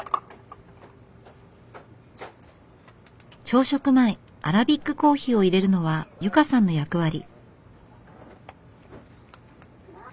朝食前アラビックコーヒーをいれるのは由佳さんの役割。